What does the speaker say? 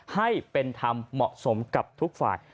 ให้เป็นธรรมเหมาะสมกับทุกฝ่าย